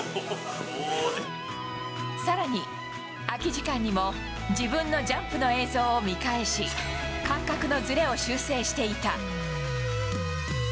さらに、空き時間にも自分のジャンプの映像を見返し、感覚のずれを修正していた。